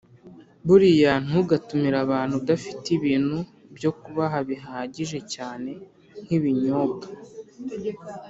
Buriya ntugatumire abantu udafite ibintu byokubaha bihagije cyane nkibinyiobwa